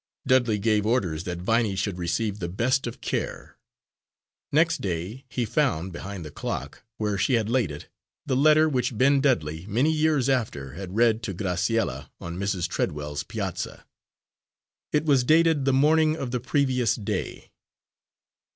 Dudley gave orders that Viney should receive the best of care. Next day he found, behind the clock, where she had laid it, the letter which Ben Dudley, many years after, had read to Graciella on Mrs. Treadwell's piazza. It was dated the morning of the previous day.